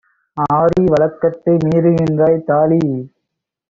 ஆதி வழக்கத்தை மீறுகின்றாய்! - தாலி